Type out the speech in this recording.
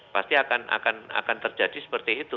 pasti akan terjadi seperti itu